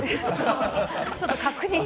ちょっと確認したい。